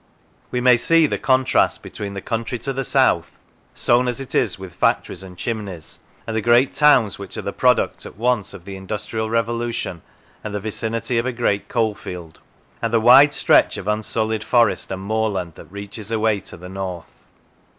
We may see the contrast between the country to the south, sown as it is with factories and chimneys and the great towns which are the product at once of the industrial revolution and the vicinity of a great coalfield, and the wide stretch of unsullied forest and moorland that reaches away to the north.